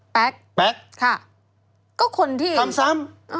แป๊กค่ะทำซ้ำ